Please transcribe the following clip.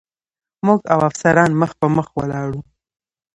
موږ او افسران مخ په مخ ولاړ و.